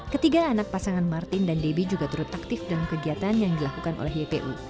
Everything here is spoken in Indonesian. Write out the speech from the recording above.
ketiga anak pasangan martin dan debbie juga turut aktif dalam kegiatan yang dilakukan oleh ypu